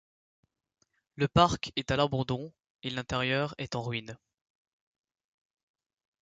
Le parc est à l'abandon et l'intérieur est en ruines.